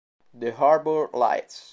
The Harbour Lights